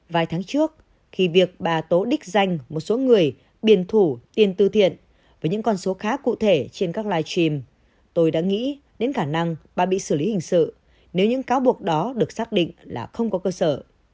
vài tháng trước khi việc bà tố đích danh một số người biển thủ tiền tư thiện với những con số khá cụ thể trên các live stream tôi đã nghĩ đến khả năng bà bị xử lý hình sự nếu những cáo buộc đó được xác định là không có cơ sở